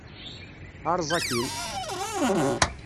Erẓ akkin!